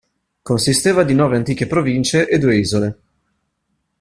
Consisteva di nove antiche province e due isole.